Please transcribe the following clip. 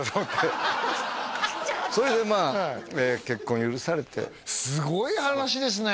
それでまあ結婚許されてすごい話ですね